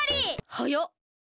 はやっ！